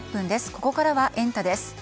ここからはエンタ！です。